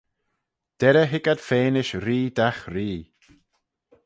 Derrey hig ad fenish ree dagh ree.